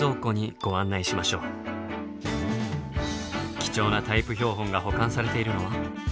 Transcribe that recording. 貴重なタイプ標本が保管されているのは。